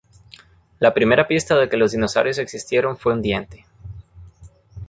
La primera pista de que los dinosaurios existieron fue un diente.